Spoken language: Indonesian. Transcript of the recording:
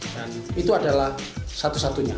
dan itu adalah satu satunya